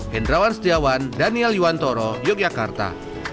hendrawan setiawan daniel yuwantoro yogyakarta